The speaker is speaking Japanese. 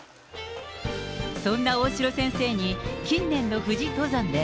そんな大城先生に、近年の富士登山で、